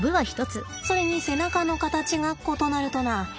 それに背中の形が異なるとな。